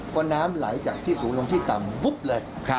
พอน้ำไหลจากที่สูงลงที่ต่ำปุ๊บเลย